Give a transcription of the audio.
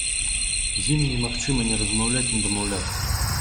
З імі немагчыма ні размаўляць, ні дамаўляцца.